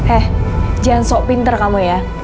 eh jangan sok pinter kamu ya